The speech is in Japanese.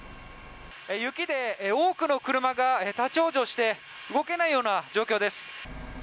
雪で多くの車が立往生して動けないような状況です。